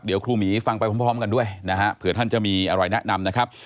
เดี๋ยวครูหมีฟังไปพร้อมกันด้วยนะฮะเผื่อท่านจะมีอะไรแนะนำนะครับ